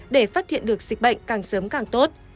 để phát hiện được dịch bệnh càng sớm càng tốt